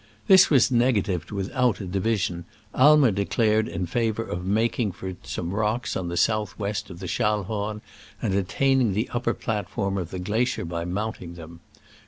This was negatived without a division. Aimer declared in favor of making for some rocks to the south west of the Schallhorn, and attaining the upper pla teau of the glacier by mounting them.